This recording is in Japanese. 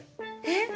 えっ？